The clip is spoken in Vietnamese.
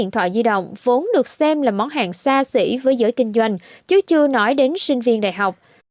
điện thoại di động vốn được xem là món hàng xa xỉ với giới kinh doanh chứ chưa nói đến sinh viên đại học